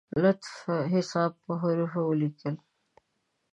لطفا حساب په حروفو ولیکی!